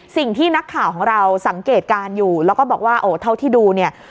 สิ่งที่นักข่าวของเราสังเกตการณ์อยู่แล้วก็บอกว่าโอ้เท่าที่ดูเนี่ย